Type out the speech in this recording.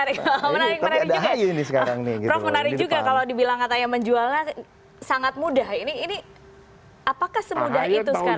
prof menarik juga kalau dibilang hatanya menjualnya sangat mudah ini apakah semudah itu sekarang